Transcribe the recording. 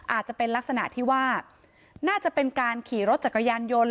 อาจจะเป็นลักษณะที่ว่าน่าจะเป็นการขี่รถจักรยานยนต์